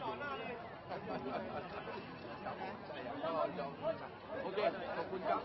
โอเคขอบคุณครับขอบคุณครับเดี๋ยวกลับมาจะเล่าให้ฟังนะครับขอบคุณครับ